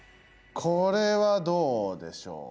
これはどうでしょう？